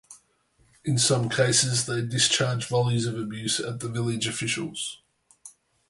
In some cases they discharge volleys of abuse at the village officials.